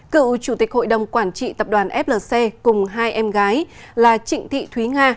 cựu chủ tịch hội đồng quản trị tập đoàn flc cùng hai em gái là trịnh thị thúy nga